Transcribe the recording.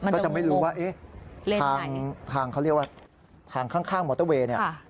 ก็จะไม่รู้ว่าทางข้างมอเตอร์เวย์